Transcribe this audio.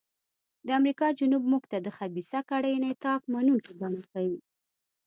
د امریکا جنوب موږ ته د خبیثه کړۍ انعطاف منونکې بڼه ښيي.